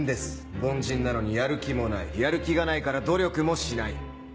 凡人なのにやる気もないやる気がないから努力もしない。